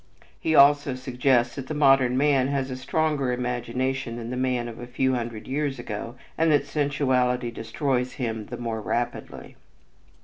He also suggests that the modern man has a stronger imagination than the man of a few hundred years ago and that sensuality destroys him the more rapidly.